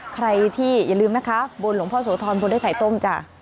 ใครที่อย่าลืมนะคะบนหลวงพ่อโสธรบนด้วยไข่ต้มจ้ะ